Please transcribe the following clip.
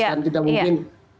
dan tidak mungkin